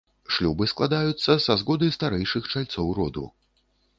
Шлюбы складаюцца са згоды старэйшых чальцоў роду.